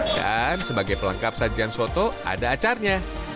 dan sebagai pelengkap sajian soto ada acarnya